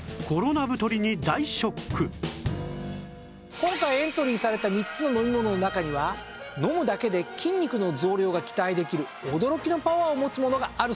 今回エントリーされた３つの飲み物の中には飲むだけで筋肉の増量が期待できる驚きのパワーを持つものがあるそうなんです。